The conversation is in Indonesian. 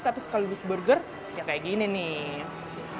tapi sekali lagi seburger ya kayak gini nih